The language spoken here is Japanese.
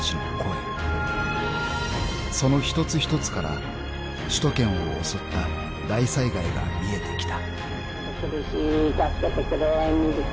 ［その一つ一つから首都圏を襲った大災害が見えてきた］